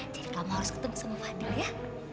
jadi kamu harus ketemu sama fadil ya